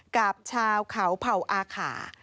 กับชาวเขาเผ่าอาขา